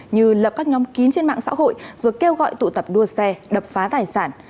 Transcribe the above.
như lập các nhóm kín trên mạng xã hội rồi kêu gọi tụ tập đua xe đập phá tài sản